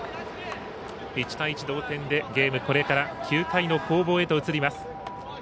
１対１の同点でゲーム、これから９回の攻防へと移ります。